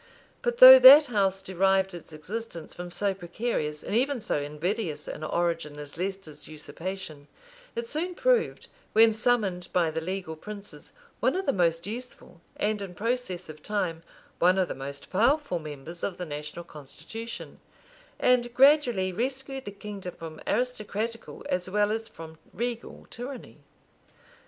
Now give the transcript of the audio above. But though that house derived its existence from so precarious and even so invidious an origin as Leicester's usurpation, it soon proved, when summoned by the legal princes, one of the most useful, and, in process of time, one of the most powerful members of the national constitution; and gradually rescued the kingdom from aristocratical as well as from regal tyranny.